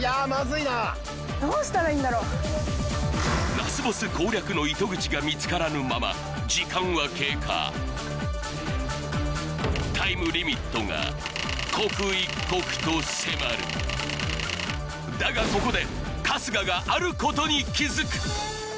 ラスボス攻略の糸口が見つからぬまま時間は経過タイムリミットが刻一刻と迫るだがここで春日があることに気づく